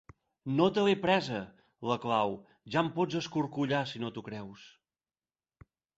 No te l'he presa, la clau: ja em pots escorcollar si no t'ho creus.